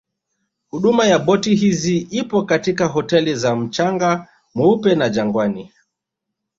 Huduma ya boti hizi ipo katika hoteli za mchanga mweupe na Jangwani